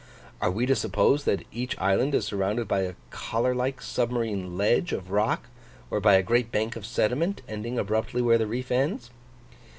Are we to suppose that each island is surrounded by a collar like submarine ledge of rock, or by a great bank of sediment, ending abruptly where the reef ends?